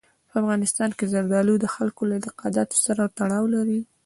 په افغانستان کې زردالو د خلکو له اعتقاداتو سره تړاو لري.